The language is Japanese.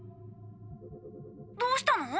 どうしたの？